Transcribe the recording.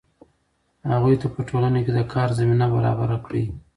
هغوی ته په ټولنه کې د کار زمینه برابره کړئ.